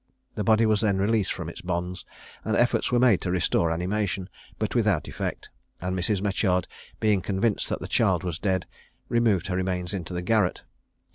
The body was then released from its bonds, and efforts were made to restore animation, but without effect; and Mrs. Metyard being convinced that the child was dead, removed her remains into the garret.